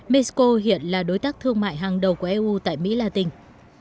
mexico hiện là đối tác thương mại hàng đầu của eu tại mỹ la tinh